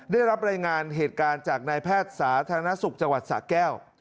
ได้รับรายงานเหตุการณ์จากนายแพทย์สาธารณสุขจังหวัดสะแก้ว